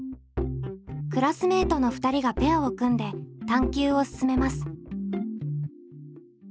クラスメートの２人がペアを組んで探究を進めます。